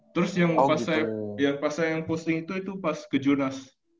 terus yang pas saya posting itu itu pas kejurnas